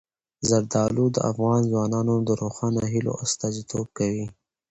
زردالو د افغان ځوانانو د روښانه هیلو استازیتوب کوي.